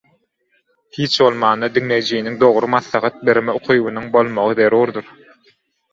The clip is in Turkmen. Hiç bolmanda diňleýijiniň dogry maslahat berme ukybynyň bolmagy zerurdyr.